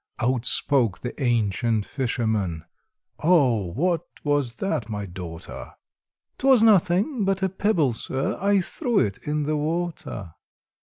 Out spoke the ancient fisherman, "Oh, what was that, my daughter?" "'T was nothing but a pebble, sir, I threw into the water."